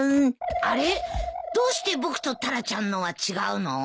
あれどうして僕とタラちゃんのは違うの？